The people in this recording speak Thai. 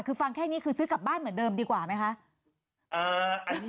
คือฟังแค่นี้คือซื้อกลับบ้านเหมือนเดิมดีกว่าไหมคะ